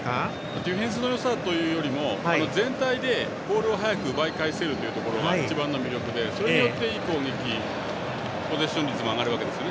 ディフェンスのよさというよりも全体でボールを早く奪い返せるというところが一番の魅力でそれによって、いい攻撃ポゼッション率も上がるんですね。